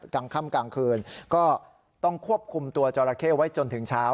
กลางค่ำกลางคืนก็ต้องควบคุมตัวจราเข้ไว้จนถึงเช้า